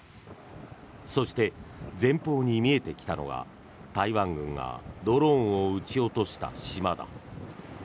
そして前方に見えてきたのが台湾軍がドローンを撃ち落とした島だ。